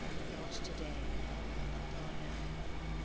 Not to day, Ah ! no